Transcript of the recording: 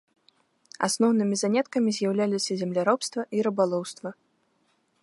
Асноўнымі заняткамі з'яўляліся земляробства і рыбалоўства.